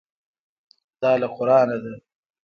دا له قرانه ده.